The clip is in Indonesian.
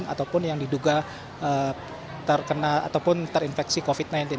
ataupun yang diduga terkena ataupun terinfeksi covid sembilan belas